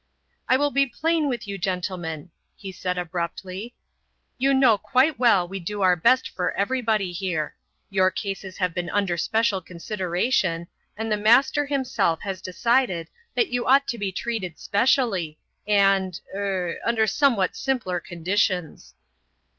"I will be plain with you gentlemen," he said, abruptly; "you know quite well we do our best for everybody here. Your cases have been under special consideration, and the Master himself has decided that you ought to be treated specially and er under somewhat simpler conditions."